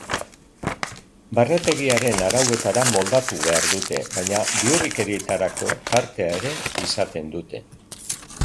Barnetegiaren arauetara moldatu behar dute baina bihurrikerietarako tartea ere izaten dute.